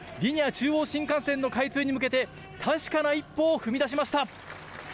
中央新幹線の開通に向けて、確かな一歩を踏み出しました。